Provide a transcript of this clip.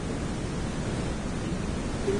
Ницы та нын уыдзӕн — бон цӕуы ӕмӕ фарн хӕссы.